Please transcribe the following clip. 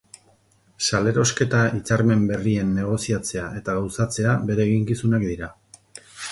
Salerosketa hitzarmen berrien negoziatzea eta gauzatzea bere eginkizunak dira.